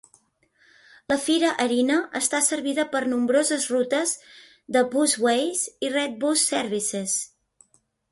La Fira Erina està servida per nombroses rutes de Busways i Red Bus Services.